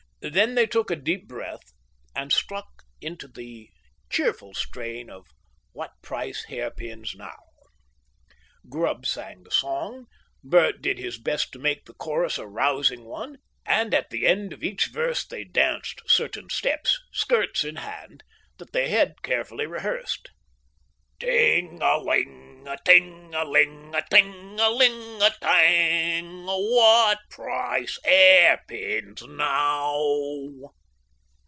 Then they took a deep breath and struck into the cheerful strain of "What Price Hair pins Now?" Grubb sang the song, Bert did his best to make the chorus a rousing one, and it the end of each verse they danced certain steps, skirts in hand, that they had carefully rehearsed. "Ting a ling a ting a ling a ting a ling a tang... What Price Hair pins Now?"